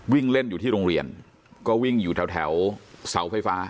วิ่งเล่นอยู่ที่โรงเรียนก็วิ่งอยู่แถวเสาไฟฟ้า